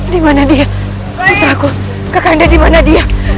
dimana dia putraku kakak anda dimana dia